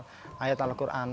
mampu menghafal ayat al qur'an